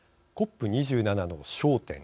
ＣＯＰ２７の焦点。